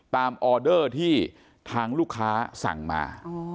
ออเดอร์ที่ทางลูกค้าสั่งมา